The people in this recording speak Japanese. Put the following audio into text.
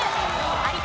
有田